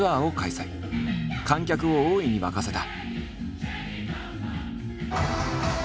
観客を大いに沸かせた。